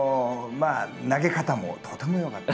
投げ方もとても良かった。